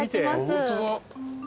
ホントだ。